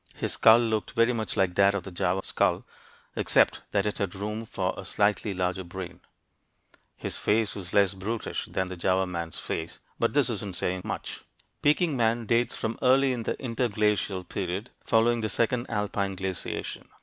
His skull looked very much like that of the Java skull except that it had room for a slightly larger brain. His face was less brutish than was Java man's face, but this isn't saying much. Peking man dates from early in the interglacial period following the second alpine glaciation.